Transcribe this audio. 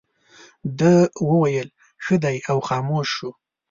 ده وویل ښه دی او خاموش شو.